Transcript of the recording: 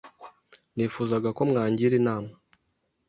nifuzaga ko mwagira inama